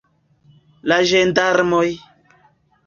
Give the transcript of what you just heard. La ĝendarmoj!